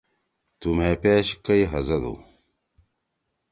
تُو مھے پیش کئی ہزَدُو؟